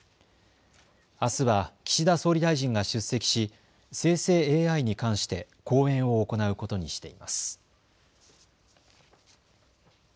あすは岸田総理大臣が出席し生成ＡＩに関して講演を行うことにしています。